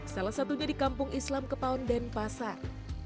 salah satunya di kampung islam kepaun denpasar